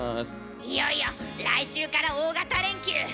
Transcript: いよいよ来週から大型連休。